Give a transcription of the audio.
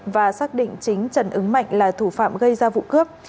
và xác định chính trần ứng mạnh là thủ phạm gây ra vụ cướp